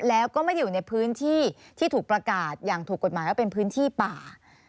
แล้วก็ไม่ได้อยู่ในพื้นที่ที่ถูกประกาศอย่างถูกกฎหมายว่าเป็นพื้นที่ป่า